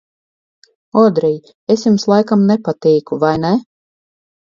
Odrij, es jums, laikam, nepatīku, vai ne?